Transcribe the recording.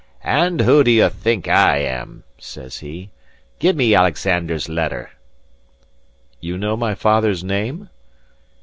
"And who do ye think I am?" says he. "Give me Alexander's letter." "You know my father's name?"